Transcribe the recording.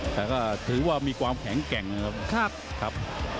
แต่ก็ถือว่ามีความแข็งแกร่งนะครับ